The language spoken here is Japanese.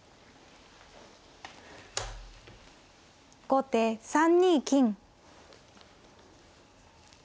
後手３二金。